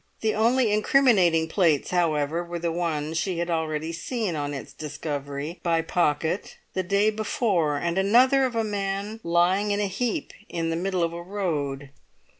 The only incriminating plates, however, were the one she had already seen on its discovery by Pocket the day before and another of a man lying in a heap in the middle of a road.